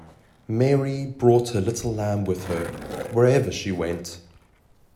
Mary brought her little lamb with her, wherever she went.